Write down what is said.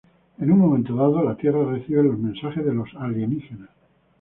En un momento dado la Tierra recibe un mensaje de los alienígenas.